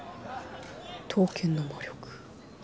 「刀剣の魔力」。